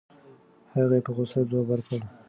هغې په غوسه ځواب ورکړ.